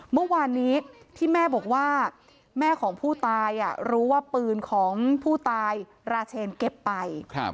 เมื่อวานนี้ที่แม่บอกว่าแม่ของผู้ตายรู้ว่าปืนของผู้ตายราเชนเก็บไป